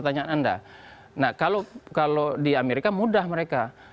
nah kalau di amerika mudah mereka